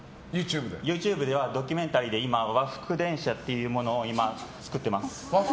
ＹｏｕＴｕｂｅではドキュメンタリーで今は和服電車っていうものを今、作ってます。